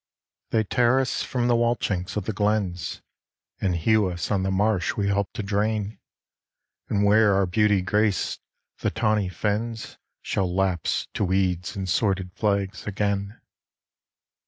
They tear us from the wall chinks of the glens, And hew us on the marsh we helped to drain, And where our beauty graced, the tawny fens Shall lapse to weeds and sworded flags again.